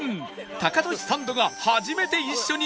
タカトシサンドが初めて一緒に秘境旅へ